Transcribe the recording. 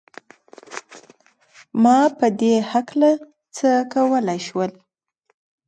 ما په دې هکله څه کولای شول؟